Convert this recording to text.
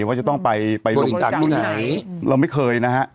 ว่าจะต้องไปลงจากที่ไหนเราไม่เคยนะฮะ